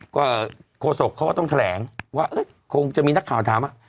ก็โครสกเขาก็ต้องแถลงว่าเอ๊ะคงจะมีนักข่าวทำอ่ะ